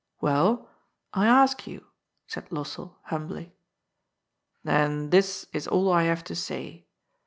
Well, I ask you," said Lossell humbly. *^ Then this is all I have to say.